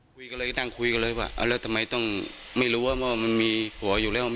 คุยก็เลยนั่งคุยกันเลยว่าเอาแล้วทำไมต้องไม่รู้ว่ามันมีผัวอยู่แล้ว